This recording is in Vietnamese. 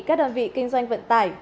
các đơn vị kinh doanh vận tải